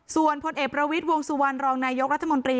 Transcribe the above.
ส่วนพลเอกประวิทย์วงสุวรรณรองนายกรัฐมนตรี